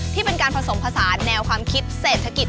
ที่เป็นการผสมผสานแนวความคิดเศรษฐกิจ